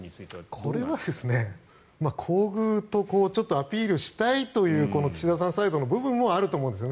これは厚遇とアピールしたいというこの岸田さんサイドの部分もあると思うんですね。